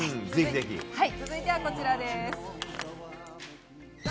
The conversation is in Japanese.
続いては、こちらです。